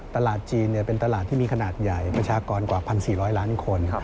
ตลาดจีนเป็นตลาดที่มีขนาดใหญ่ประชากรกว่า๑๔๐๐ล้านคน